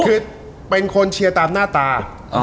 คือเป็นคนเชียร์ตามหน้าตา